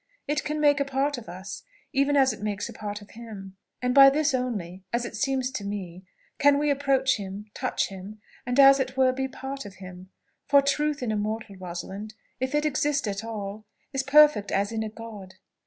It can make a part of us, even as it makes a part of Him; and by this only, as it seems to me, can we approach Him, touch Him, and, as it were be part of Him. For truth in a mortal, Rosalind, if it exist at all, is perfect as in a God.